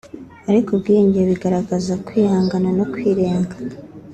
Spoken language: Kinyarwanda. ariko ubwiyunge bigaragaza kwihangana no kwirenga